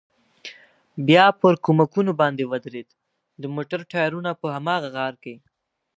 بیا پر کومکونو باندې ودرېد، د موټر ټایرونه په هماغه غار کې.